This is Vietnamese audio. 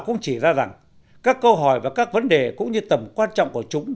cũng chỉ ra rằng các câu hỏi và các vấn đề cũng như tầm quan trọng của chúng